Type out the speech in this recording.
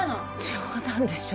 冗談でしょ